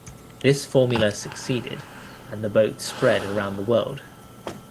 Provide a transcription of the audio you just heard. This formula succeeded, and the boat spread around the world.